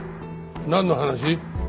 なんの話？